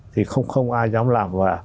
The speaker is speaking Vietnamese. thì không ai dám làm